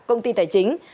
công ty tài chính